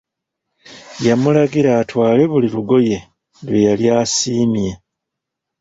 Yamulagira atwale buli lugoye lwe yali asiimye.